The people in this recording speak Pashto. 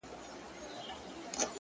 اوس چي مخ هرې خوا ته اړوم الله وينم!!